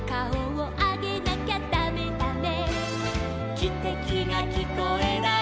「きてきがきこえない」